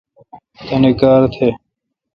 تانی کار تہ۔